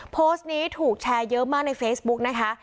โพสต์นี้ถูกแชร์เยอะมากในเฟซบุ๊กนะคะ